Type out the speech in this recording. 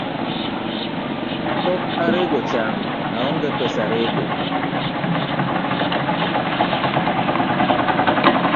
Pok arego cham, aonge pesa rego.